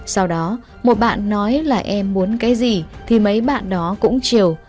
sau đó một bạn nói là em muốn cái gì thì mấy bạn đó cũng chiều